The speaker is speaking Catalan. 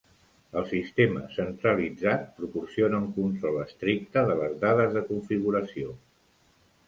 El sistema centralitzat proporciona un control estricte de les dades de configuració.